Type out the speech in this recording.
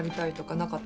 なかった。